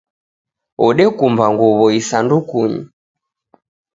Wodekumba nguw'o isandukunyi.